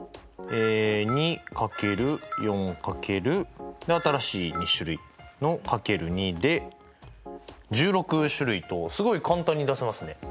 ２×４×で新しい２種類の×２で１６種類とすごい簡単に出せますね。